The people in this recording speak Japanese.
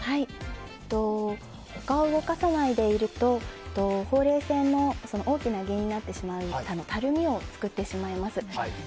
お顔を動かさないでいるとほうれい線の大きな原因になってしまうたるみを作ってしまいます。